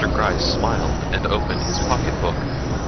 Gryce smiled and opened his pocketbook.